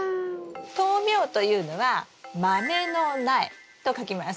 豆苗というのは豆の苗と書きますはい。